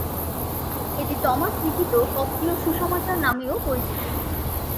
এটি টমাস লিখিত কপ্টীয় সুসমাচার নামেও পরিচিত।